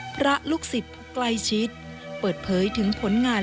ลูกศิษย์ผู้ใกล้ชิดเปิดเผยถึงผลงาน